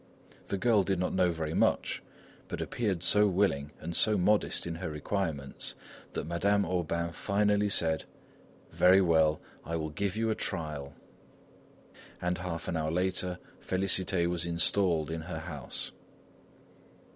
The girl did not know very much, but appeared so willing and so modest in her requirements, that Madame Aubain finally said: "Very well, I will give you a trial." And half an hour later Félicité was installed in her house.